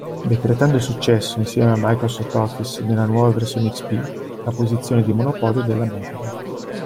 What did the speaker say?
Decretando il successo insieme a Microsoft Office nella nuova versione XP, la posizione di monopolio della Microsoft.